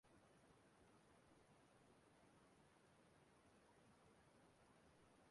Ọ gara n’ihu kọwaa na ha merukwuru nna nwoke ahụ ahụ